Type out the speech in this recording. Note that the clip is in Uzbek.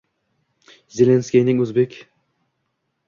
Zelenskiyning o'zbek